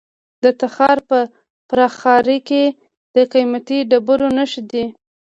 د تخار په فرخار کې د قیمتي ډبرو نښې دي.